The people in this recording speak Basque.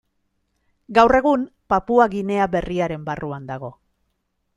Gaur egun Papua Ginea Berriaren barruan dago.